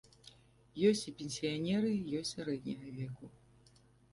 Ёсць і пенсіянеры, ёсць сярэдняга веку.